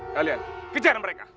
kalian kejar mereka